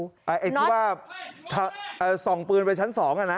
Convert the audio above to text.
คือว่าส่องปืนไปชั้น๒น่ะนะ